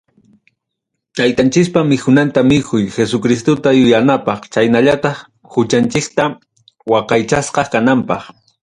Taytanchikpa mikunanta mikuy, Jesucristuta yuyanapaq chaynallataq huchanchikta waqaychasqa kananpaq.